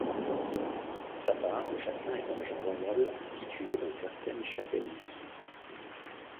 Pour sa part, le châtelain est un agent royal institué dans certaines châtellenies.